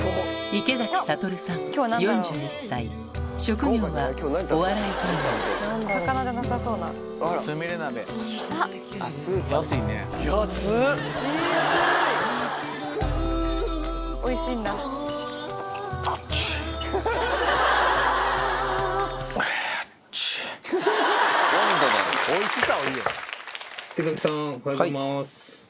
池崎さんおはようございます。